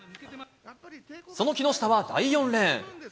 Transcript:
その木下は第４レーン。